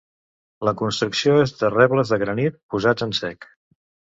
La construcció és de rebles de granit posats en sec.